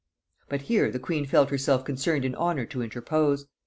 But here the queen felt herself concerned in honor to interpose.